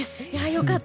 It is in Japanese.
良かった。